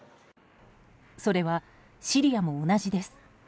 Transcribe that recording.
それはシリアも同じです。